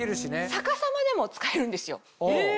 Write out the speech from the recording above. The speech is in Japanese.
逆さまでも使えるんですよ。